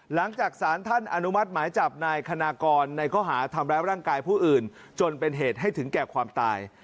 หลังจากสารท่านอนุมัติหมายจับนายคณากรในข้อหาทำร้ายร่างกายผู้อื่นจนเป็นเหตุให้ถึงแก่ความตาย